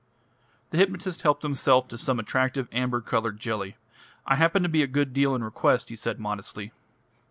The hypnotist helped himself to some attractive amber coloured jelly. "I happen to be a good deal in request," he said modestly.